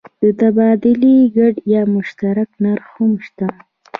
د تبادلې ګډ یا مشترک نرخ هم شته.